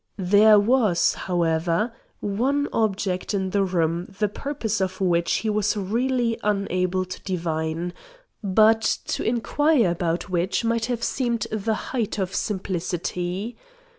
There was, however, one object in the room the purpose of which he was really unable to divine, but to inquire about which might have seemed the height of simplicity.